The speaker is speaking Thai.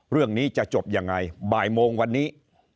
เรื่องนี้จะจบยังไงบ่ายโมงวันนี้